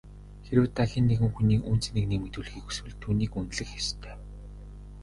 Хэрвээ та хэн нэгэн хүний үнэ цэнийг нэмэгдүүлэхийг хүсвэл түүнийг үнэлэх ёстой.